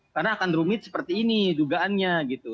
karena akan rumit seperti ini dugaannya gitu